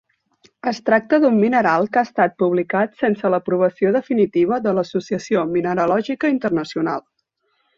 Es tracta d'un mineral que ha estat publicat sense l'aprovació definitiva de l'Associació Mineralògica Internacional.